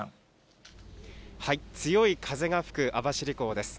強い風が吹く網走港です。